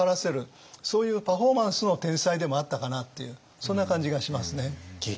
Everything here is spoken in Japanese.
そういうパフォーマンスの天才でもあったかなっていうそんな感じがしますね。